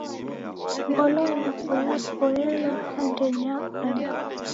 Ngolo yapo yapoelewa andenyi ya bwana.